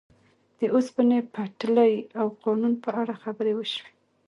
د اوسپنې پټلۍ او قانون په اړه خبرې وشوې.